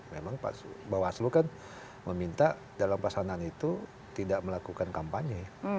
memang bawaslu kan meminta dalam pasangan itu tidak melakukan kampanye